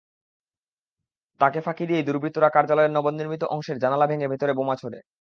তাঁকে ফাঁকি দিয়েই দুর্বৃত্তরা কার্যালয়ের নবনির্মিত অংশের জানালা ভেঙে ভেতরে বোমা ছোড়ে।